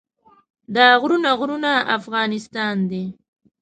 دا غرونه غرونه افغانستان دی.